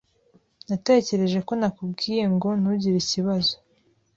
Natekereje ko nakubwiye ngo ntugire ikibazo.